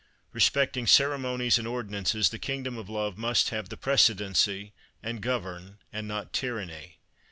Respecting ceremonies and ordinances, the kingdom of love must have the precedency and govern, and not tyranny.